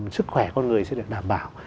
sức khỏe con người sẽ được đảm bảo